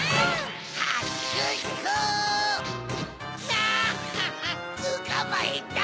ナッハッハッ！つかまえた！